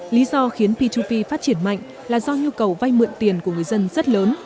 lý do khiến p hai p phát triển mạnh là do nhu cầu vay mượn tiền của người dân rất lớn